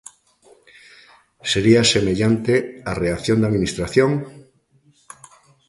Sería semellante a reacción da Administración?